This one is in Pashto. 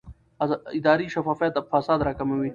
اداري شفافیت فساد راکموي